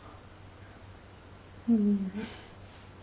うん。